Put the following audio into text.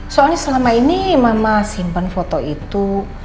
soalnya selama ini mama simpan foto itu